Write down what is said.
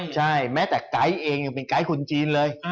ใช่แม้แต่ไก๊เองยังเป็นไกด์คนจีนเลย